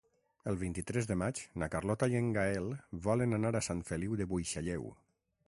El vint-i-tres de maig na Carlota i en Gaël volen anar a Sant Feliu de Buixalleu.